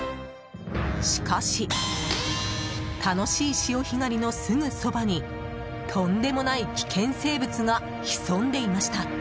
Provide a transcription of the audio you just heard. しかし、楽しい潮干狩りのすぐそばにとんでもない危険生物が潜んでいました。